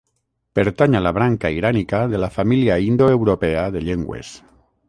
Pertany a la branca irànica de la família indoeuropea de llengües.